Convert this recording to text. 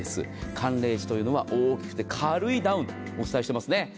寒冷地というのは大きくて軽いダウンとお伝えしていますね。